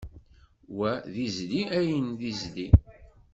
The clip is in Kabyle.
Wa d izli ayen d izli.